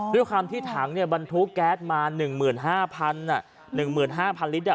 ด้วยความที่ถังเนี่ยบรรทุกแก๊สมา๑๕๑๕๐๐ลิตร